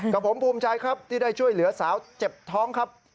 กับผมภูมิใจครับที่ได้ช่วยเหลือสาวเจ็บท้องครับ